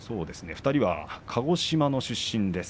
２人は鹿児島の出身です。